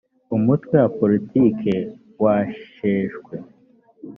umutwe wa politiki washeshwe